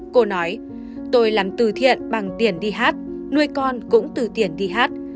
cô nói tôi làm từ thiện bằng tiền đi hát nuôi con cũng từ tiền đi hát